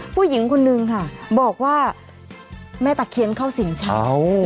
ผู้หญิงคนนึงค่ะบอกว่าแม่ตะเคียนเข้าสิงเช้า